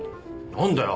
何だよ！？